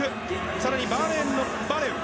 更にバーレーンのバレウ。